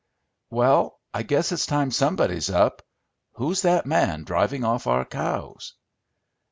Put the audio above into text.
"Well, I guess it's time somebody's up. Who's that man driving off our cows?"